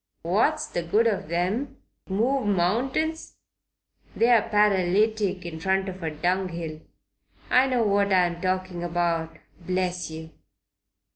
What's the good of 'em? Move mountains? They're paralytic in front of a dunghill. I know what I'm talking about, bless yer.